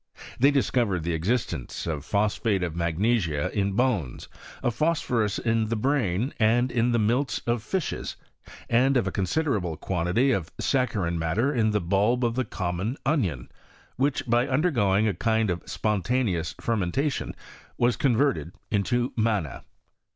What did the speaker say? Theji diseovered the existence of phosphate of magnesia in bones, of phosphoma in the brain and in the milts of liahes, and of a considerable quantity of saccha rine matter in the bulb of the common onion ; which, by undergoing a kind of spontaneous fermentation nas converted into manna.